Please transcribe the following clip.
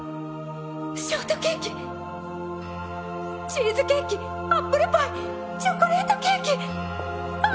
ショートケーキチーズケーキアップルパイチョコレートケーキあ！